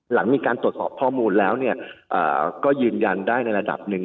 หลังมีการตรวจสอบข้อมูลแล้วก็ยืนยันได้ในระดับหนึ่ง